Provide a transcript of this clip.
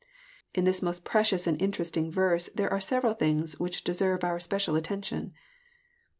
In this most precious and interesting verse there are several things which deserve our special attention.